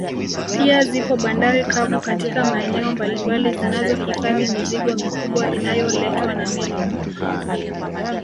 Pia zipo bandari kavu katika maeneo mbalimbali zinazo hifadhi mizigo mikubwa inayoletwa na meli